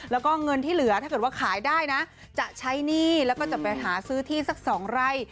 แล้วก็เงินที่เหลือถ้าเกิดว่าขายได้นะจะใช้หนี้แล้วก็จะไปหาซื้อที่สัก๒ไร่